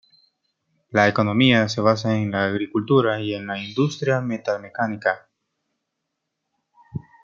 La economía se basa en la agricultura y en la industria metalmecánica.